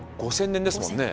５，０００年ですもんね。